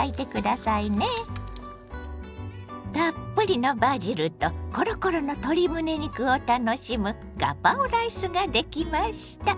たっぷりのバジルとコロコロの鶏むね肉を楽しむガパオライスができました。